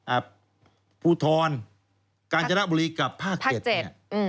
อ่ะภูทรกาญจนบุรีกับภาคเจ็ด